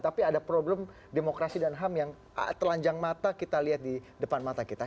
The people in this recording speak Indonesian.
tapi ada problem demokrasi dan ham yang telanjang mata kita lihat di depan mata kita